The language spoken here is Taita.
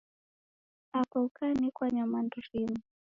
Apa ukanekwa nyamandu rimu